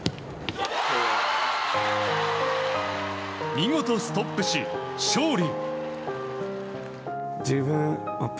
見事、ストップし勝利！